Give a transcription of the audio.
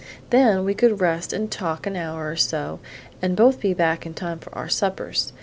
Then we could rest and talk an hour or so, and both be back in time for our suppers.